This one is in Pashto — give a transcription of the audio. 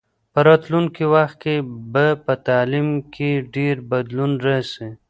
په راتلونکي وخت کې به په تعلیم کې ډېر بدلون راسي.